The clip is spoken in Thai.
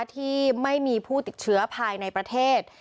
ที่ไม่มีผู้ติดเชื้อภายในประเทศ